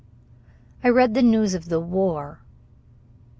I read the news of the war.